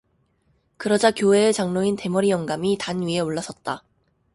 그러자 교회의 장로인 대머리 영감이 단 위에 올라섰다.